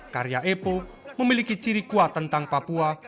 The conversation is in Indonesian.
karya epo memiliki ciri kuat tentang papua